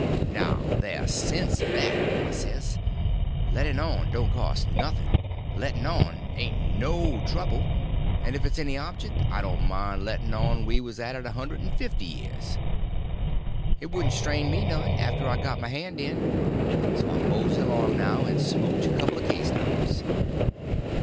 "Now, there's sense in that," I says. "Letting on don't cost nothing; letting on ain't no trouble; and if it's any object, I don't mind letting on we was at it a hundred and fifty year. It wouldn't strain me none, after I got my hand in. So I'll mosey along now, and smouch a couple of case knives."